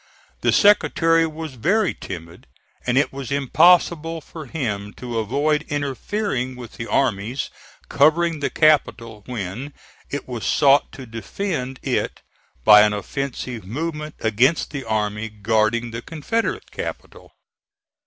The Secretary was very timid, and it was impossible for him to avoid interfering with the armies covering the capital when it was sought to defend it by an offensive movement against the army guarding the Confederate capital.